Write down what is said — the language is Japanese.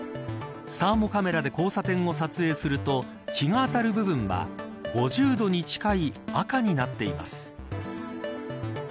サーモカメラで交差点を撮影すると日が当たる部分は５０度に近い赤になっています。